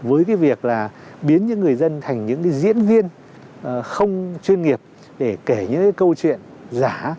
với cái việc là biến những người dân thành những cái diễn viên không chuyên nghiệp để kể những cái câu chuyện giả